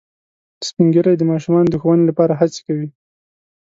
سپین ږیری د ماشومانو د ښوونې لپاره هڅې کوي